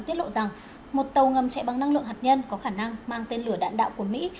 tiết lộ rằng một tàu ngầm chạy bằng năng lượng hạt nhân có khả năng mang tên lửa đạn đạo của mỹ